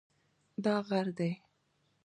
دا غر دی